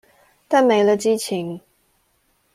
但沒了激情